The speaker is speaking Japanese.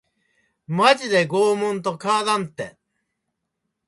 マジで拷問と変わらんて